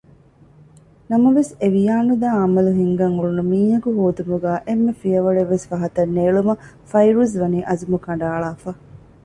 ނަމަވެސް އެވިޔާނުދާ ޢަމަލު ހިންގަން އުޅުނު މީހަކު ހޯދުމުގައި އެންމެ ފިޔަވަޅެއްވެސް ފަހަތަށް ނޭޅުމަށް ފައިރޫޒްވަނީ އަޒުމު ކަނޑައަޅާފަ